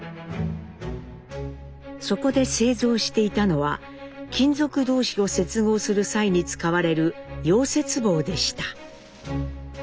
そこで製造していたのは金属同士を接合する際に使われる溶接棒でした。